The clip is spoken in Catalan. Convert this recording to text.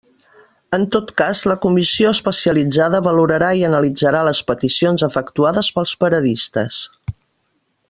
En tot cas la comissió especialitzada valorarà i analitzarà les peticions efectuades pels paradistes.